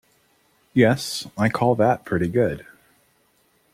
Yes, I call that pretty good.